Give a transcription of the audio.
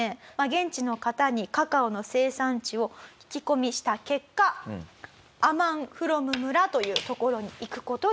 現地の方にカカオの生産地を聞き込みした結果アマンフロム村という所に行く事にしました。